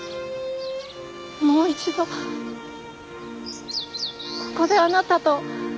もう一度ここであなたと。